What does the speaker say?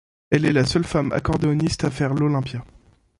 Elle est la seule femme accordéoniste à faire l’Olympia.